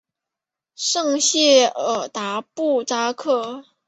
圣谢尔达布扎克。